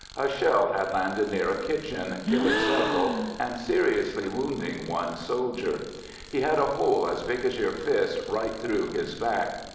A shell had landed near a kitchen, killing several and seriously wounding one soldier. He had a hole as big as your fist right through his back.